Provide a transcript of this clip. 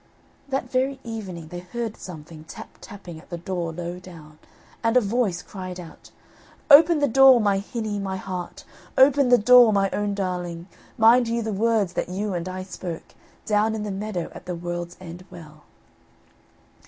That very evening they heard something tap tapping at the door low down, and a voice cried out: "Open the door, my hinny, my heart, Open the door, my own darling; Mind you the words that you and I spoke, Down in the meadow, at the World's End Well."